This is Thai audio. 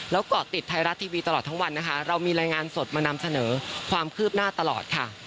แล้วก็ติดไทยรัฐทีวีตลอดทั้งวันนะคะเรามีรายงานสดมานำเสนอความคืบหน้าตลอดค่ะ